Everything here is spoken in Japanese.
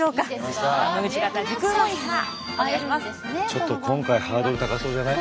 ちょっと今回ハードル高そうじゃない？